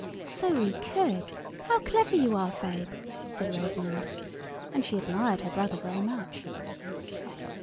"So we could! How clever you are, Fabe," said Rosamund. And she admired her brother very much.